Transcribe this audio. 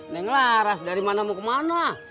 neng laras dari mana mau ke mana